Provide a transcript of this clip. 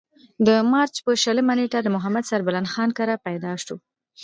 د مارچ پۀ شلمه نېټه د محمد سربلند خان کره پېدا شو ۔